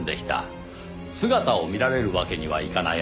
姿を見られるわけにはいかない